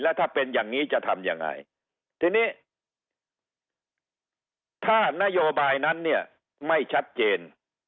แล้วถ้าเป็นอย่างนี้จะทำยังไงทีนี้ถ้านโยบายนั้นเนี่ยไม่ชัดเจน